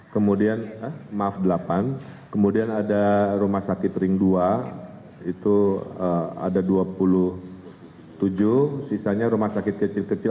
kemudian maaf delapan kemudian ada rumah sakit ring dua itu ada dua puluh tujuh sisanya rumah sakit kecil kecil